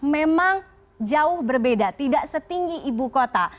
memang jauh berbeda tidak setinggi ibu kota